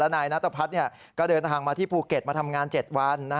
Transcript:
นายนัทพัฒน์ก็เดินทางมาที่ภูเก็ตมาทำงาน๗วัน